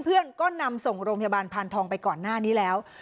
เพื่อนก็นำส่งโรงพยาบาลพานทองไปก่อนหน้านี้แล้ว